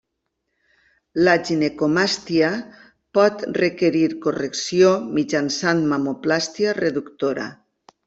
La ginecomàstia pot requerir correcció mitjançant mamoplàstia reductora.